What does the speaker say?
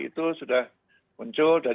itu sudah muncul dan